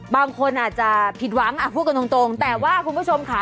บางคนอาจจะผิดหวังพูดกันตรงแต่ว่าคุณผู้ชมค่ะ